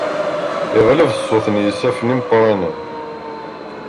Iɣleb ṣṣut n yisaffen imeqqranen.